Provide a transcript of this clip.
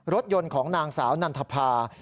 รถยนต์ของนางสาวนันทภา